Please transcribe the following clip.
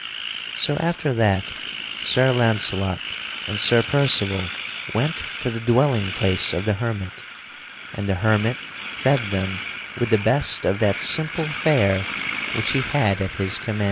So after that Sir Launcelot and Sir Percival went to the dwelling place of the hermit, and the hermit fed them with the best of that simple fare which he had at his command.